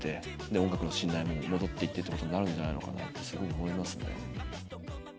音楽の信頼も戻っていってとなるんじゃないのかなとすごい思いますね。